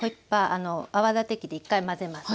あの泡立て器で１回混ぜます。